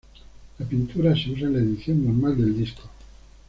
La pintura se usa en la edición normal del disco.